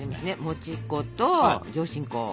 もち粉と上新粉。